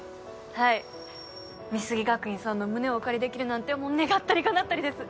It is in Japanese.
はい美杉学院さんの胸をお借りできるなんてもう願ったりかなったりです